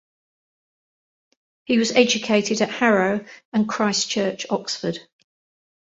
He was educated at Harrow and Christ Church, Oxford.